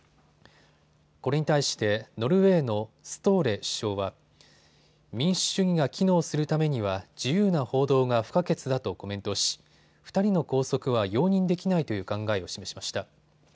これに対してノルウェーのストーレ首相は民主主義が機能するためには自由な報道が不可欠だとコメントし２人の拘束は容認できないという考えを示しました。